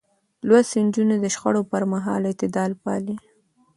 لوستې نجونې د شخړو پر مهال اعتدال پالي.